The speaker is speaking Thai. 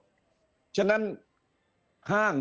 เพราะฉะนั้นห้าง